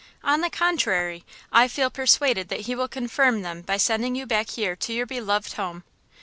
On the contrary, I feel persuaded that he will confirm them by sending you back here to your beloved home."